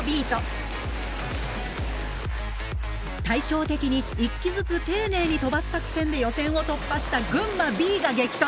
対照的に１機ずつ丁寧に飛ばす作戦で予選を突破した群馬Ｂが激突。